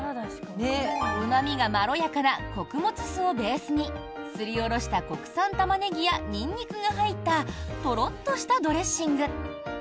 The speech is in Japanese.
うま味がまろやかな穀物酢をベースにすり下ろした国産タマネギやニンニクが入ったとろっとしたドレッシング。